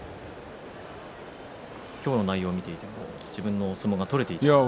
今日の内容を見ていても自分の相撲が取れていますか？